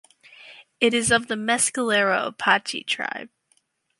It is of the Mescalero Apache tribe.